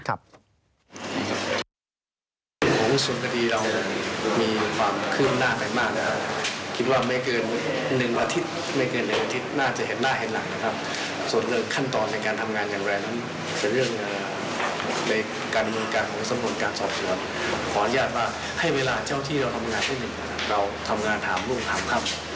ขออนุญาตว่าให้เวลาเช่าที่เราทำงานที่หนึ่งเราทำงานถามลูกถามครับ